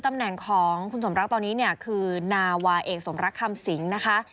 ตำแหน่งของคุณสมรักตอนนี้เนี่ยคือนาวาเอกสมรักคำสิงนะคะ